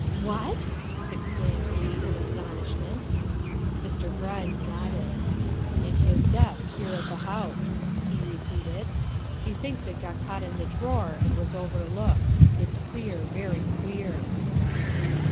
''" What?" exclaimed Leigh in astonishment. Mr. Grimes nodded. " In his desk, here at the house," he repeated. " He thinks it got caught in the drawer and was overlooked. It's queer, very queer."